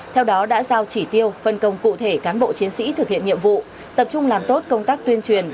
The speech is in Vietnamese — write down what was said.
theo đó đã giao chỉ tiêu phân công cụ thể cán bộ chiến sĩ thực hiện nhiệm vụ tập trung làm tốt công tác tuyên truyền